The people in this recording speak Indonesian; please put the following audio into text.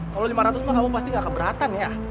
kalau lima ratus mah kamu pasti nggak keberatan ya